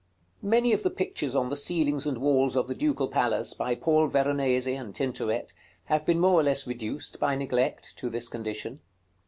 § CXXXIX. Many of the pictures on the ceilings and walls of the Ducal Palace, by Paul Veronese and Tintoret, have been more or less reduced, by neglect, to this condition.